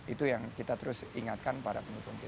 itu yang kita terus ingatkan para pendukung kita